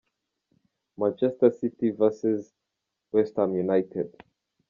Manchester City vs West Ham United.